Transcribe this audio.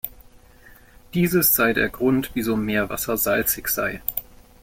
Dieses sei der Grund, wieso Meerwasser salzig sei.